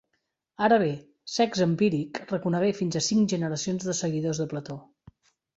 Ara bé, Sext Empíric reconegué fins a cinc generacions de seguidors de Plató.